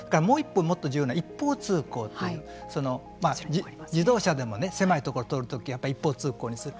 もう１点、重要な一方通行という自動車でも狭い所を通るときは一方通行にする。